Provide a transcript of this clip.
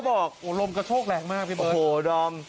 โอ้โหดอม